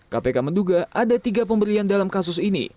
kpk menduga ada tiga pemberian dalam kasus ini